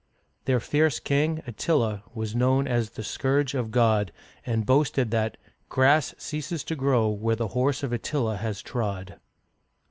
Their fierce king, At'tila, was known as the " Scourge of God," and boasted that "Grass ceases to grow where the horse of Attila has trod."